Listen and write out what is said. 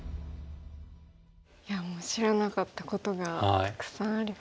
いやもう知らなかったことがたくさんありました。